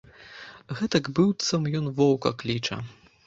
Гэтак быццам ён воўка кліча.